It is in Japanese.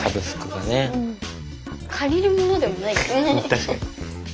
確かに。